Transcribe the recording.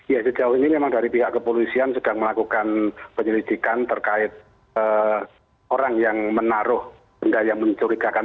ya sejauh ini memang dari pihak kepolisian sedang melakukan penyelidikan terkait orang yang menaruh benda yang mencurigakan